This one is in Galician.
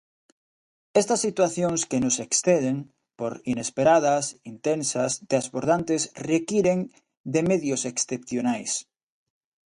Estas situacións que nos exceden, por inesperadas, intensas, desbordantes requiren de medios excepcionais.